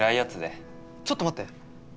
ちょっと待って。